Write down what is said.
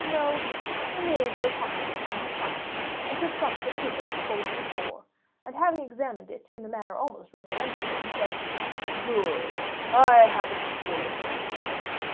No, he merely drew a pocketbook from his pocket, and took from it a paper folded in four, and after having examined it in a manner almost reverential, he said: "Good! I have it still!"